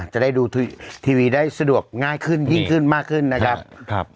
จะได้ดูทีวีได้สะดวกง่ายขึ้นยิ่งขึ้นมากขึ้นนะครับ